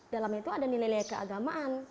dalam itu ada nilai nilai keagamaan